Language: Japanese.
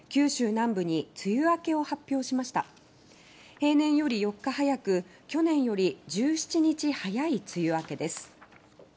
平年より４日早く去年より１７日早い梅雨明けです。